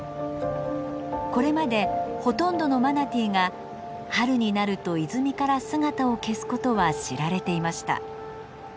これまでほとんどのマナティーが春になると泉から姿を消すことは知られていました。